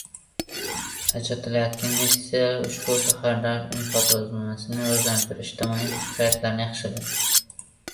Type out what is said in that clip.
Ajratilayotgan investitsiyalar ushbu shaharlar infratuzilmasini rivojlantirish, ijtimoiy sharoitlarni yaxshil